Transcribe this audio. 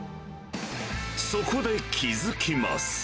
そこで気付きます。